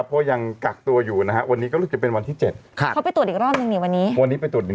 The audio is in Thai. เพิ่งมานั่งก็จัดให้มันเรียบร้อยเลย